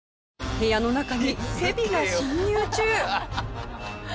部屋の中にヘビが侵入中。